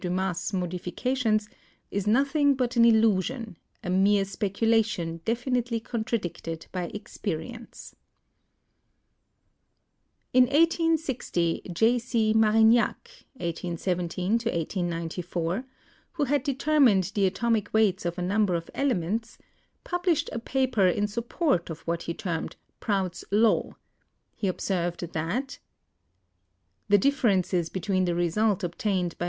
Dumas' modifications, is noth ing but an illusion, a mere speculation definitely contra dicted by experience." In i860, J. C. Marignac (1817 1894), who had deter mined the atomic weights of a number of elements, pub 276 CHEMISTRY lished a paper in support of what he termed Prout's "law." He observed that "... the differences between the results obtained by M.